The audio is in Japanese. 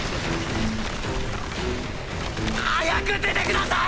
早く出てください。